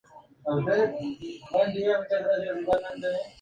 El altar mayor está adornado por tres pinturas.